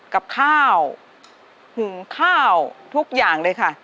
กับข้าวหุงข้าวทุกอย่างเลยค่ะ